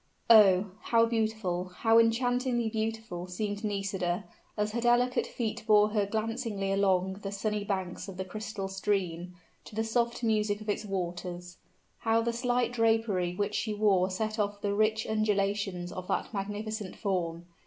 Oh! how beautiful how enchantingly beautiful seemed Nisida, as her delicate feet bore her glancingly along the sunny banks of the crystal stream, to the soft music of its waters. How the slight drapery which she wore set off the rich undulations of that magnificent form!